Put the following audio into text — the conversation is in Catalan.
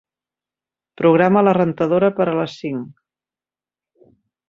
Programa la rentadora per a les cinc.